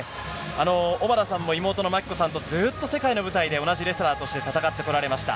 小原さんも妹のまきこさんと、ずっと世界の舞台で同じレスラーとして戦ってこられました。